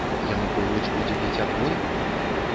Януковіч будзе біць адбой?